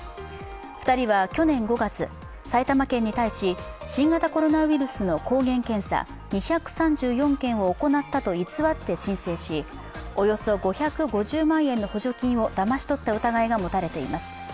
２人は去年５月、埼玉県に対し新型コロナウイルスの抗原検査２３４件を行ったと偽って申請しおよそ５５０万円の補助金をだまし取った疑いが持たれています。